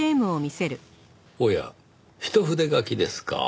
おや一筆書きですか。